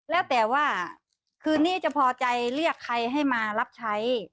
แล้วแต่ว่าคืนนี้จะพอใจเรียกใครให้มารับใช้